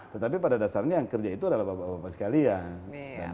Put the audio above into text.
tetapi pada dasarnya yang kerja itu adalah bapak bapak sekalian